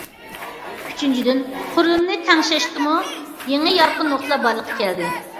ئۈچىنچىدىن، قۇرۇلمىنى تەڭشەشتىمۇ يېڭى يارقىن نۇقتىلار بارلىققا كەلدى.